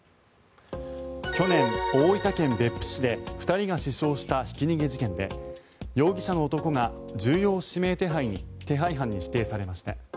去年、大分県別府市で２人が死傷したひき逃げ事件で容疑者の男が重要指名手配犯に指定されました。